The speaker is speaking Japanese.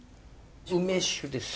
梅酒です！